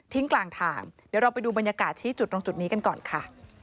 กลางทางเดี๋ยวเราไปดูบรรยากาศชี้จุดตรงจุดนี้กันก่อนค่ะ